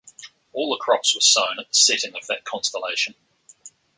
All the crops were sown at the setting of that constellation.